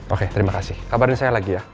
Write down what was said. oke terima kasih kabarnya saya lagi ya